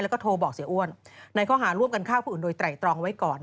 แล้วก็โทรบอกเสียอ้วนในข้อหาร่วมกันฆ่าผู้อื่นโดยไตรตรองไว้ก่อน